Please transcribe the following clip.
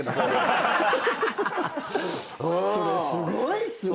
それすごいっすね！